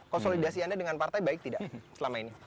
konsolidasi anda dengan partai baik tidak selama ini